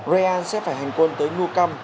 real sẽ phải hành quân tới nucam